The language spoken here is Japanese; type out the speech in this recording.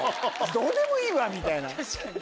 どうでもいいわみたいな。